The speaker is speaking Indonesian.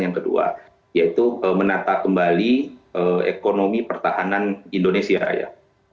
yang kedua yaitu menata kembali ekonomi pertahanan indonesia raya